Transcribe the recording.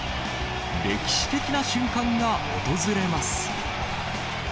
歴史的な瞬間が訪れます。